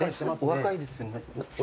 お若いですね。